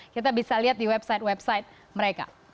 kita bisa lihat di website website mereka